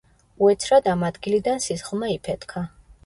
უეცრად ამ ადგილიდან სისხლმა იფეთქა.